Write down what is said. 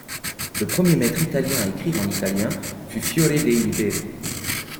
Le premier maître italien à écrire en italien fut Fiore de'i Liberi.